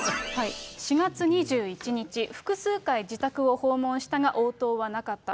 ４月２１日、複数回、自宅を訪問したが応答はなかった。